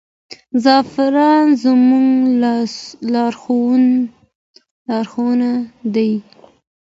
زعفران زموږ لارښود دی.